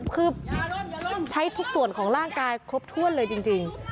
คือใช้ทุกส่วนของร่างกายครบถ้วนเลยจริง